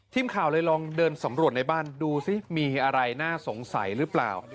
ทีมข่าวเลยลองเดินสำรวจในบ้านดูสิมีอะไรน่าสงสัยหรือเปล่า